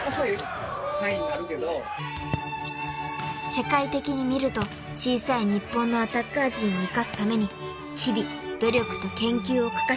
［世界的に見ると小さい日本のアタッカー陣を生かすために日々努力と研究を欠かしません］